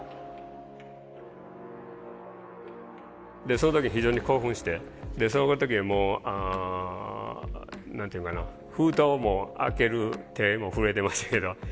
その時非常に興奮してその時もうあ何て言うんかな封筒を開ける手も震えてましたけど。